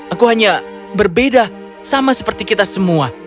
aku hanya berbeda sama seperti kita semua